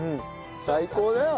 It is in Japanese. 最高だよ。